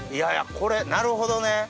これなるほどね。